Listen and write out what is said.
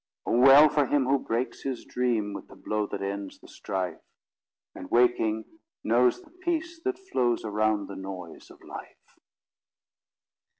Oh, well for him who breaks his dream With the blow that ends the strife And, waking, knows the peace that flows Around the noise of life!